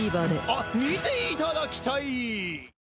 あっ見ていただきたい！